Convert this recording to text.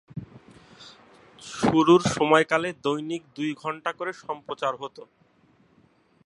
শুরুর সময়কালে দৈনিক দুটি করে সম্প্রচার হত।